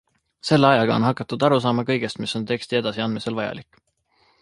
Selle ajaga on hakatud aru saama kõigest, mis on teksti edasiandmisel vajalik.